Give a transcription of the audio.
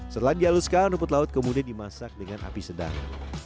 setelah dihaluskan rumput laut kemudian dimasak dengan api sedang